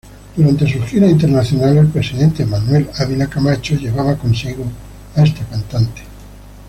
Durante sus giras internacionales el presidente Manuel Ávila Camacho llevaba consigo a esta cantante.